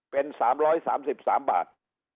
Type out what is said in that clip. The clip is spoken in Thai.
เป็น๓๓บาท